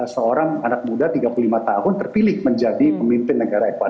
seorang anak muda tiga puluh lima tahun terpilih menjadi pemimpin negara eva